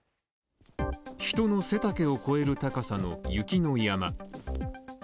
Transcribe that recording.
人の背丈を超える高さの雪の山。